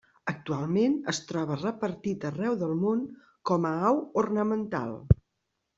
Actualment es troba repartit arreu del món com a au ornamental.